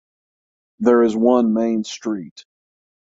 There is one main street.